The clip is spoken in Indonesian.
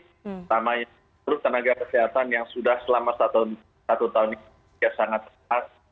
terutama untuk tenaga kesehatan yang sudah selama satu tahun ini sudah sangat keras